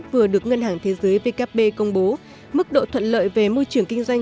vừa được ngân hàng thế giới vkp công bố mức độ thuận lợi về môi trường kinh doanh